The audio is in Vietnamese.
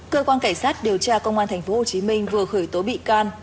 cơ quan cảnh sát điều tra công an tp hcm vừa khởi tố bị can